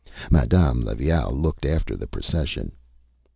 Madame Levaille looked after the procession.